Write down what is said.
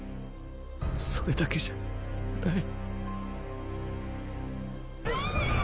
それだけじゃない。